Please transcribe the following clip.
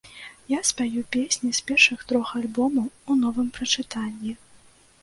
Я спяю песні з першых трох альбомаў у новым прачытанні.